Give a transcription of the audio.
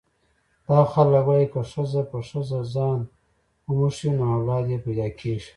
دا خلک وايي که ښځه په ښځه ځان وموښي نو اولاد یې پیدا کېږي.